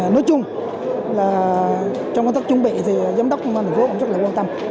nói chung là trong quan sát chuẩn bị thì giám đốc công an thành phố cũng rất quan tâm